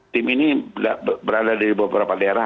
tim ini berada di beberapa daerah